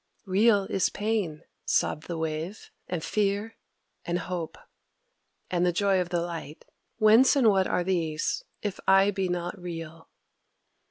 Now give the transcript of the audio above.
"Real is pain," sobbed the Wave, "and fear and hope, and the joy of the light. Whence and what are these, if I be not real?"